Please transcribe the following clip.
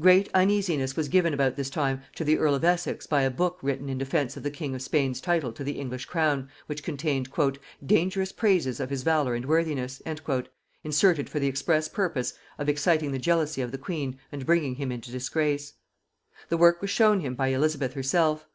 Great uneasiness was given about this time to the earl of Essex by a book written in defence of the king of Spain's title to the English crown, which contained "dangerous praises of his valor and worthiness," inserted for the express purpose of exciting the jealousy of the queen and bringing him into disgrace. The work was shown him by Elizabeth herself.